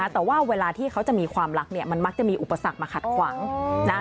แต่ว่าเวลาที่เขาจะมีความรักเนี่ยมันมักจะมีอุปสรรคมาขัดขวางนะ